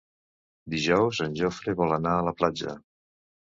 Dijous en Jofre vol anar a la platja.